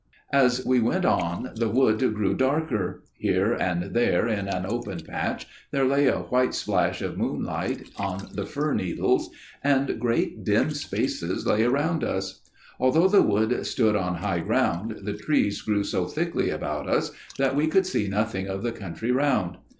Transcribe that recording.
"As we went on the wood grew darker. Here and there in an open patch there lay a white splash of moonlight on the fir needles, and great dim spaces lay round us. Although the wood stood on high ground, the trees grew so thickly about us that we could see nothing of the country round.